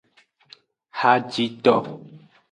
Hajito.